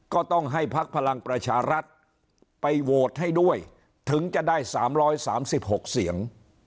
ก็ต้องให้พักพลังประชารัฐไปโหวตให้ด้วยถึงจะได้๓๓๖เสียง